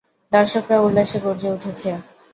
দর্শকরাও উল্লাসে গর্জে উঠছে!